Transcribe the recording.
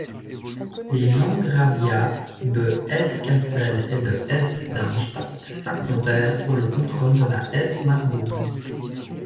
Les landgraviats de Hesse-Cassel et de Hesse-Darmstadt s'affrontèrent pour le contrôle de la Hesse-Marbourg.